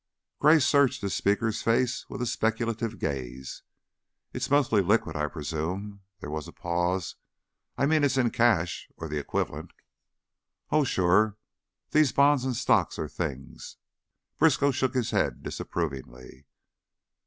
Gray searched the speaker's face with a speculative gaze. "It's mostly liquid, I presume." There was a pause. "I mean it's in cash or the equivalent?" "Oh, sure! These bonds an' stocks an' things " Briskow shook his head disapprovingly.